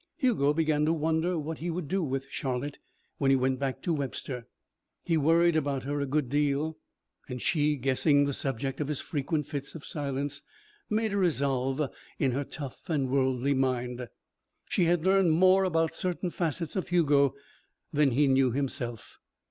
Hugo began to wonder what he would do with Charlotte when he went back to Webster. He worried about her a good deal and she, guessing the subject of his frequent fits of silence, made a resolve in her tough and worldly mind. She had learned more about certain facets of Hugo than he knew himself.